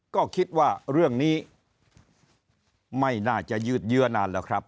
ก็คิดว่าเรื่องนี้ไม่น่าจะยืดเยื้อนานแล้วครับ